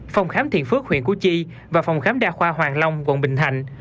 phòng khám thiện phước huyện cú chi và phòng khám đa khoa hoàng long quận bình thành